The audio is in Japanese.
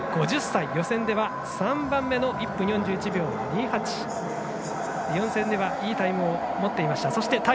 予選では３番目の１分４２秒２８、予選ではいいタイムを持っていました。